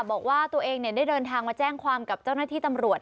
บอกว่าตัวเองได้เดินทางมาแจ้งความกับเจ้าหน้าที่ตำรวจ